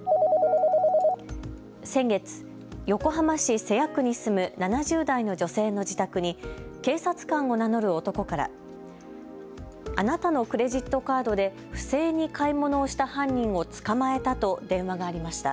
先月、横浜市瀬谷区に住む７０代の女性の自宅に警察官を名乗る男からあなたのクレジットカードで不正に買い物をした犯人を捕まえたと電話がありました。